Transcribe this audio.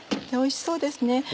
おいしそうですね